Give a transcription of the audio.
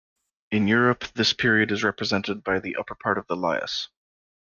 In Europe this period is represented by the upper part of the Lias.